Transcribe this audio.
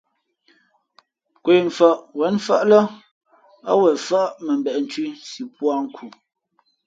Nkwe mfαʼ wěn mfάʼ lά ά wen fάʼ mα mbeʼ nthʉ̄ si pūᾱ nkhu.